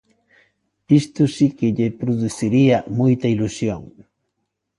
Isto si que lle produciría moita ilusión.